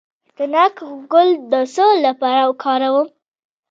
د ناک ګل د څه لپاره وکاروم؟